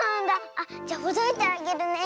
あっじゃほどいてあげるね。